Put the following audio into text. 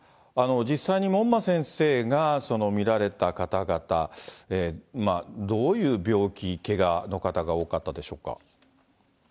実際に門馬先生が診られた方々、どういう病気、けがの方が多かったでしょうか。